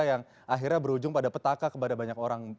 yang akhirnya berujung pada petaka kepada banyak orang